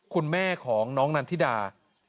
คุณแม่ของน้องนันทิดา